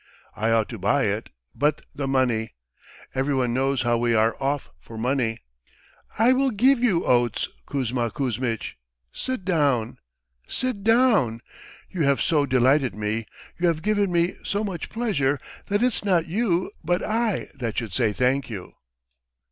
I ought to buy it, but the money ... everyone knows how we are off for money. ..." "I will give you oats, Kuzma Kuzmitch. ... Sit down, sit down. You have so delighted me, you have given me so much pleasure that it's not you but I that should say thank you!"